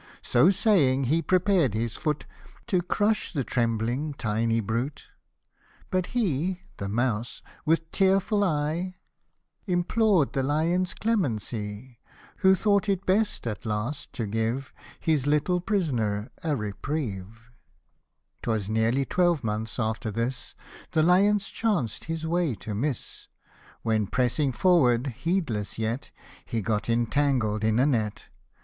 '* So saying, he prepared his foot, To crush the trembling tiny brute ; But he (the mouse) with tearful eye, Implored the lion's clemency, Who thought it best at last to give His little pris'ner a reprieve. The Lion & tlie Moiise. Tlie .Icalous Ass. 79 'Twas nearly twelve months after this, The lion chanced his way to miss ; When pressing forward, heedless yet, He got entangled in a net.